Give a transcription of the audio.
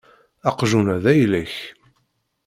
Aqjun-a d ayla-k.